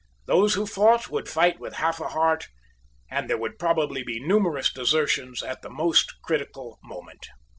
Those who fought would fight with half a heart; and there would probably be numerous desertions at the most critical moment.